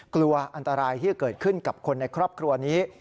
กลัวอันตรายที่จะเกิดขึ้นกับคนในครอบครัวนี้